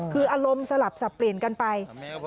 คืออารมณ์สลับสับเปลี่ยนกันไป